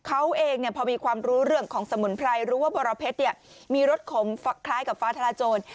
เขาเองพอมีความรู้เรื่องของสมุนไพรรู้ว่าบรเพชรมีรสขมคล้ายกับฟ้าทลายโจร